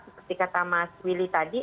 seperti kata mas willy tadi